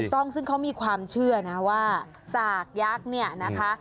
ต้องซึ่งเขามีความเชื่อนะว่าสากยักษ์เนี่ยนะคะ